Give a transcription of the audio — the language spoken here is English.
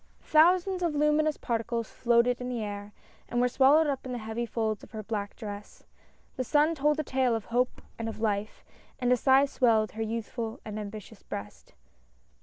Thousands of luminous particles floated in the air and were swallowed up in the heavy folds of her black dress. The sun told a tale of hope and of life, and a sigh swelled her youthful and ambitious breast.